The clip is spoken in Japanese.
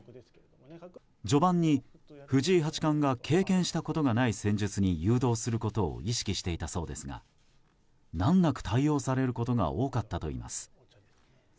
序盤に藤井八冠が経験したことがない戦術に誘導することを意識していたそうですが難なく対応されることが多かったといいます。